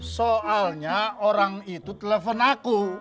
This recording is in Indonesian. soalnya orang itu telepon aku